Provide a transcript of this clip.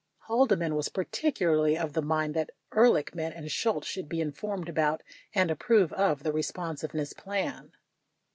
Haldeman was particularly of the mind that Ehrlichman and Shultz should be informed about, and approve of, the responsiveness plan.